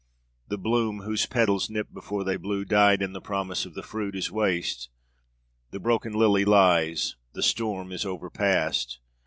The bloom whose petals, nipt before they blew, died in the promise of the fruit, is waste; the broken lily lies the storm is overpast.